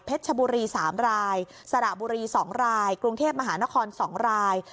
ชบุรี๓รายสระบุรี๒รายกรุงเทพมหานคร๒ราย